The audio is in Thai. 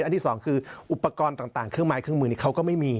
ที่สองคืออุปกรณ์ต่างเครื่องไม้เครื่องมือนี้เขาก็ไม่มี